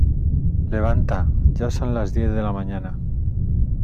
Levanta, ya son las diez de la mañana.